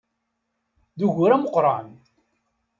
D ugur ameqqran!